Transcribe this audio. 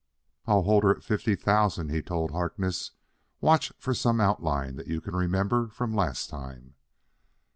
"I'll hold her at fifty thousand," he told Harkness. "Watch for some outline that you can remember from last time."